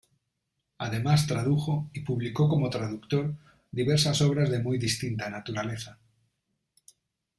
Además tradujo, y publicó como traductor, diversas obras de muy distinta naturaleza.